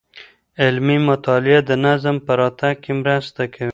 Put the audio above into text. علمي مطالعه د نظم په راتګ کي مرسته کوي.